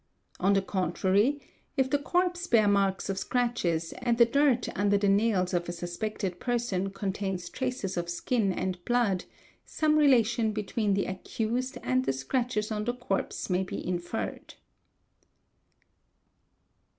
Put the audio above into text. On the contrary, if the corpse bear marks of 1 'scratches and the dirt under the nails of a suspected person contains traces of skin and blood, some relation between the accused and the scratches on the corpse may be inferred.